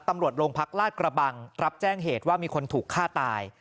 ตำรวจโรงพักลาดกระบังรับแจ้งเหตุว่ามีคนถูกฆ่าตาย